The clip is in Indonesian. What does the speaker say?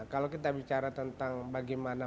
kalau kita bicara tentang bagaimana